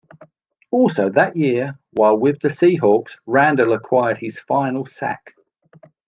Also that year, while with the Seahawks, Randle acquired his final sack.